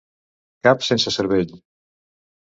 Cap sense cervell.